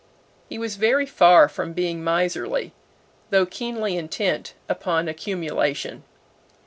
He was very far from being miserly, though keenly intent upon accumulation.